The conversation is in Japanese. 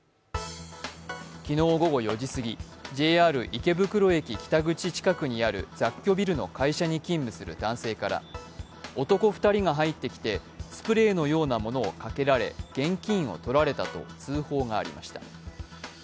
昨日午後４時過ぎ、ＪＲ池袋駅北口近くにある雑居ビルの会社に勤務する男性から男２人が入ってきてスプレーのようなものをかけられ現金を取られたと通報がありました。